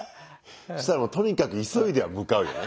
そしたらとにかく急いでは向かうよね。